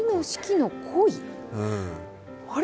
あれ？